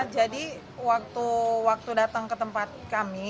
jadi waktu datang ke tempat kami